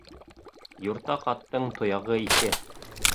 Юртаҡ аттың тояғы ике.